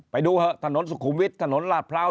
ไปดูเถอะถนนสุขุมวิทย์ถนนลาดพร้าว